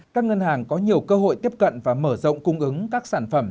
các ngân hàng có nhiều cơ hội tiếp cận và mở rộng cung ứng các sản phẩm